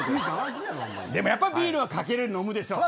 でもやっぱりビールはかける、飲むでしょう。